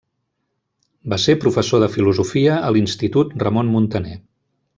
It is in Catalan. Va ser professor de filosofia a l'Institut Ramon Muntaner.